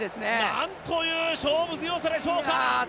難民という勝負強さでしょうか。